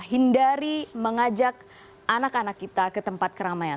hindari mengajak anak anak kita ke tempat keramaian